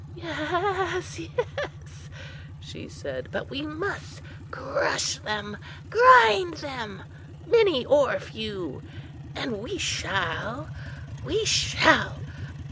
"Yes, yes," she said, "but we must crush them, grind them, many or few: and we shall, we shall!